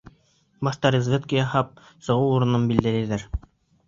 Башта разведка яһап, сығыу урынын билдәләйҙәр.